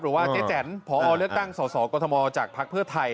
หรือว่าเจ๊แจ๋นพออ๋อเลือกตั้งส่อกฎธมจากภักดิ์เพื่อไทย